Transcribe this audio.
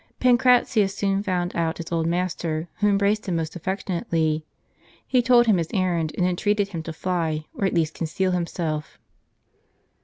Pancratius soon found out his old master, who embraced him most affec tionately. He told him his errand, and entreated him to fly, or at least conceal himself.